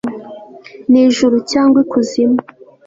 ni ijuru cyangwa ikuzimu